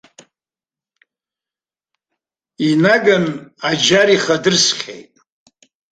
Инаганы аџьар ихадырсхьеит.